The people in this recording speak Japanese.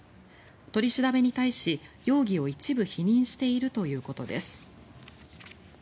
取り調べに対し容疑を一部否認しているということです。